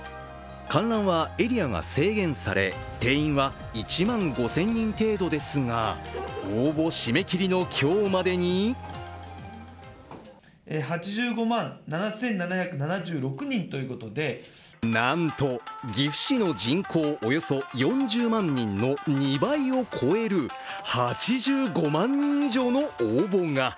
観覧はエリアが制限され定員は１万５０００人程度ですが応募締め切りの今日までになんと岐阜市の人口およそ４０万人の２倍を超える８５万人以上の応募が。